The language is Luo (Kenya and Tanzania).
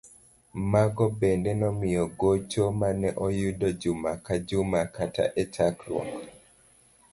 Mago bende nomiye gocho mane oyudo juma ka juma kata e chakruok.